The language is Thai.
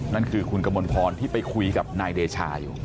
นั่นคือคุณกมลพรที่ไปคุยกับนายเดชาอยู่